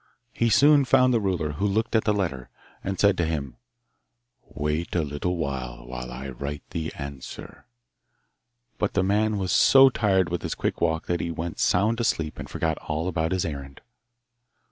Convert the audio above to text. He soon found the ruler, who looked at the letter, and said to him, 'Wait a little while i write the answer;' but the man was soo tired with his quick walk that he went sound asleep and forgot all about his errand.